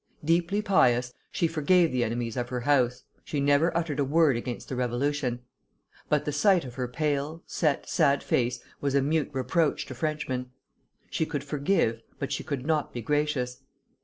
Deeply pious, she forgave the enemies of her house, she never uttered a word against the Revolution; but the sight of her pale, set, sad face was a mute reproach to Frenchmen. She could forgive, but she could not be gracious.